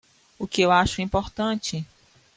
O que eu acho importante?